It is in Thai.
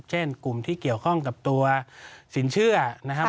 เช่นกลุ่มที่เกี่ยวข้องกับตัวสินเชื่อนะครับ